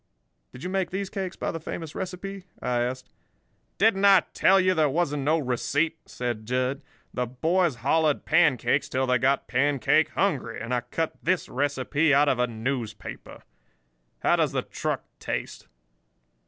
"Did you make these cakes by the famous recipe?" I asked. "Didn't I tell you there wasn't no receipt?" said Jud. "The boys hollered pancakes till they got pancake hungry, and I cut this recipe out of a newspaper. How does the truck taste?"